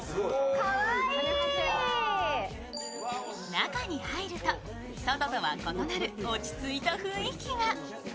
中に入ると外とは異なる落ち着いた雰囲気が。